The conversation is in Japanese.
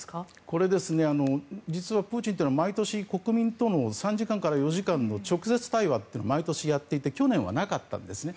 これ、実はプーチンは毎年、国民との３時間から４時間の直接対話を毎年やっていて去年はなかったんですね。